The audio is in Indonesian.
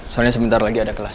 soalnya sebentar lagi ada kelas